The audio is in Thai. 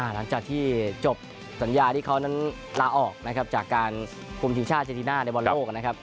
หลังจากที่จบสัญญาที่เขานั้นลาออกนะครับจากการคุมทีมชาติเจดีน่าในบอลโลกนะครับ